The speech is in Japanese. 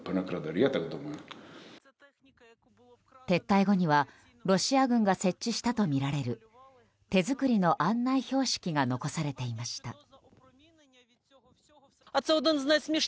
撤退後にはロシア軍が設置したとみられる手作りの案内標識が残されていました。